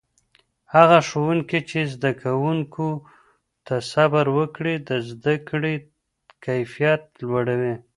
هغه ښوونکي چې زده کوونکو ته صبر وکړي، د زده کړې کیفیت لوړوي.